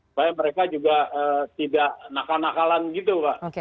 supaya mereka juga tidak nakal nakalan gitu pak